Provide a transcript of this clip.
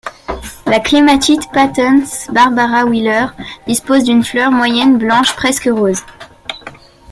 La clématite patens 'Barbara Wheeler' dispose d'une fleur moyenne blanche presque rose.